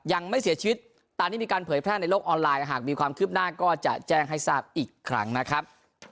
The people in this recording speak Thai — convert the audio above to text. ยังไม่เสียชีวิตตามที่มีการเผยแพร่ในโลกออนไลน์หากมีความคืบหน้าก็จะแจ้งให้ทราบอีกครั้งนะครับ